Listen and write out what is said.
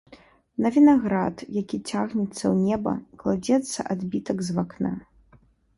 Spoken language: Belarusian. На вінаград, які цягнецца ў неба, кладзецца адбітак з вакна.